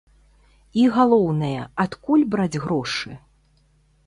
І, галоўнае, адкуль браць грошы?